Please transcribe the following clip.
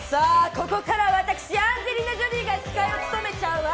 ここからは私アンジェリーナ・ジョリーが司会を務めちゃうわ。